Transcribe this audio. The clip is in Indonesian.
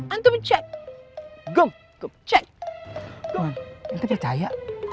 antum cek gump cek itu percaya